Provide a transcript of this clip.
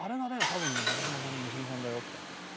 多分ね長嶋さんの娘さんだよとかって。